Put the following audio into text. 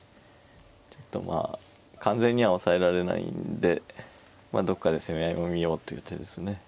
ちょっとまあ完全には押さえられないんでまあどっかで攻め合いを見ようという手ですね。